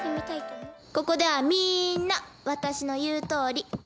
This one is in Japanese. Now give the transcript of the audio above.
ここではみんな私の言うとおり。